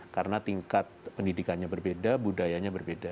karena tingkat pendidikannya berbeda budayanya berbeda